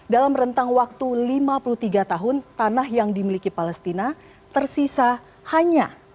dalam rentang waktu lima puluh tiga tahun tanah yang dimiliki palestina tersisa hanya